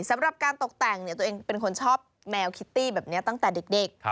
สำหรับการตกแต่งตัวเองเป็นคนชอบแมวคิตตี้แบบนี้ตั้งแต่เด็ก